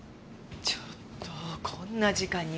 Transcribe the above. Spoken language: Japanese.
ちょっとこんな時間に呼び出す？